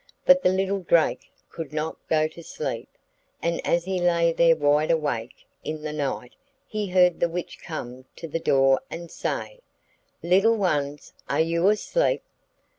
But the little drake could not go to sleep, and as he lay there wide awake in the night he heard the witch come to the door and say: 'Little ones, are you asleep?